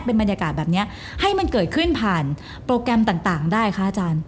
เป็นบรรยากาศแบบนี้ให้มันเกิดขึ้นผ่านโปรแกรมต่างได้คะอาจารย์